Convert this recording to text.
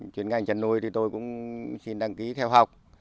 chuyên ngành chăn nuôi thì tôi cũng xin đăng ký theo học